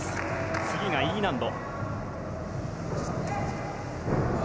次がＥ難度。